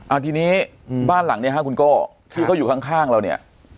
เอาทีนี้บ้านหลังเนี้ยฮะคุณโก้ที่เขาอยู่ข้างข้างเราเนี่ย